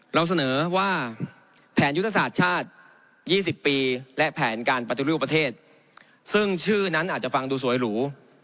เราเสนอว่าแผนยุทธศาสตร์ชาติ๒๐ปีและแผนการปฏิรูปประเทศซึ่งชื่อนั้นอาจจะฟังดูสวยหรู